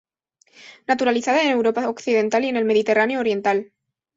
Naturalizada en Europa occidental y en el Mediterráneo oriental.